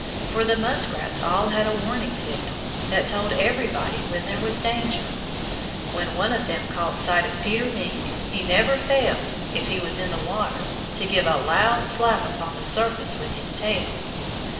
For the Muskrats all had a warning signal that told everybody when there was danger. When one of them caught sight of Peter Mink he never failed if he was in the water to give a loud slap upon the surface with his tail.